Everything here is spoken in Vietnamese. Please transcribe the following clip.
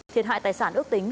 thiệt hại tài sản ước tính